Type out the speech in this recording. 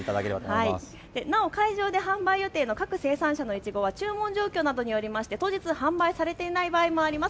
なお会場で販売予定の各生産者のいちごは注文状況などによりまして当日販売されていない場合もあります。